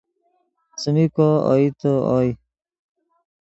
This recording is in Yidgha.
څیمی کو اوئیتے اوئے